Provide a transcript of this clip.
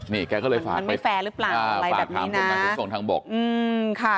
นี่แกก็เลยฝากไปมันไม่แฟร์หรือเปล่าอะไรแบบนี้น่ะฝากถามผมกันถึงส่งทางบกอืมค่ะ